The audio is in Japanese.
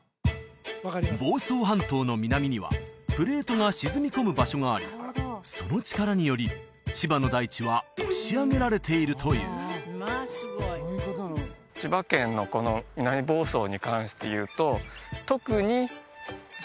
房総半島の南にはプレートが沈み込む場所がありその力により千葉の大地は押し上げられているという南房総市の野島崎